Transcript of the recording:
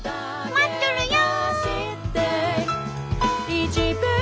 待っとるよ！